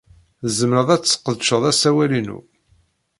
Tzemred ad tesqedced asawal-inu.